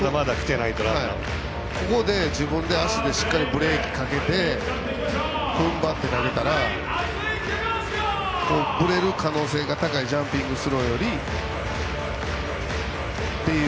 ここで自分で足でしっかりブレーキかけて踏ん張って投げたらぶれる可能性が高いジャンピングスローより、という。